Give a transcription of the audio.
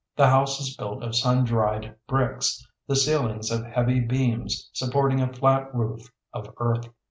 The house is built of sun dried bricks, the ceilings of heavy beams supporting a flat roof of earth.